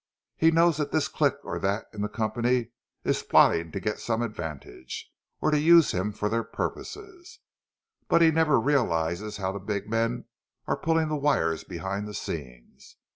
He knows that this clique or that in the company is plotting to get some advantage, or to use him for their purposes—but he never realizes how the big men are pulling the wires behind the scenes.